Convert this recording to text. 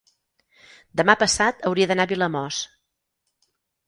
demà passat hauria d'anar a Vilamòs.